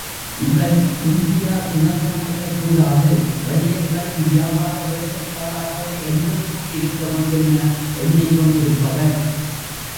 இவர் இந்தியா சுதந்திரமடையக் கூடாது வெள்ளையர்களின் வியாபார வேட்டைக் காடாகவே என்றென்றும் இருக்க வேண்டுமென எண்ணிக் கொண்டிருப்பவர்.